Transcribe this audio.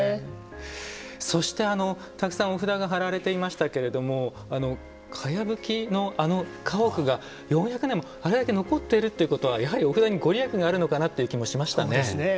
そしてたくさんお札が貼られていましたけれどもかやぶきのあの家屋が４００年もあれだけ残っているということはやはりお札に御利益があったのかなというそうですね。